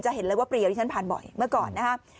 เห็นเลยว่าเปรียวที่ฉันผ่านบ่อยเมื่อก่อนนะครับ